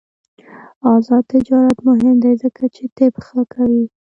آزاد تجارت مهم دی ځکه چې طب ښه کوي.